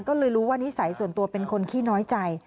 ก็เลยรู้ว่านิสัยส่วนตัวเป็นคนขี้น้อยใจ